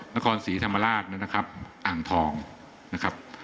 นครศรีธรรมราชนะครับอ่างทองนะครับ